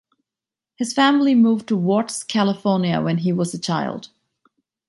His family moved to Watts, California when he was a child.